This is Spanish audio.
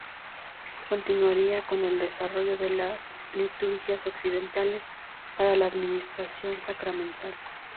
Continuaría con el desarrollo de las liturgias occidentales para la administración sacramental.